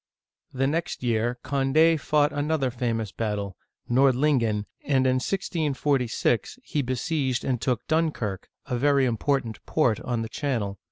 The next year Condd fought another famous battle (Nordlingen), and in 1646 he besieged and took Dun' kirk, a very important port on the Channel.